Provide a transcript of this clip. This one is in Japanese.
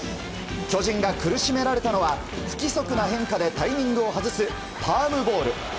巨人が苦しめられたのは不規則な変化でタイミングを外すパームボール。